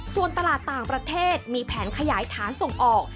ส่วนตลาดต่างประเทศมีแผนขยายฐานส่งออก